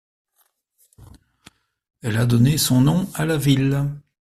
Elle a donné son nom à la ville.